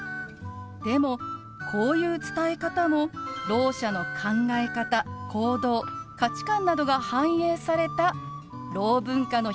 でもこういう伝え方もろう者の考え方・行動・価値観などが反映されたろう文化の一つなんですよ。